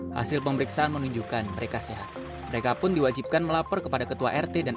hasil pemeriksaan kondisi saat ini masih dalam suhu normal di kisaran tiga puluh enam dan tiga puluh tujuh